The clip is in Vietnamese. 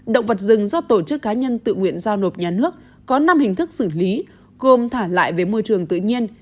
động vật rừng do tổ chức cá nhân tự nguyện giao nộp nhà nước có năm hình thức xử lý gồm thả lại về môi trường tự nhiên